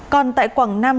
còn tại quảng nam